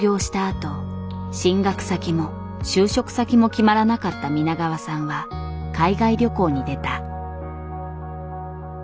あと進学先も就職先も決まらなかった皆川さんは海外旅行に出た。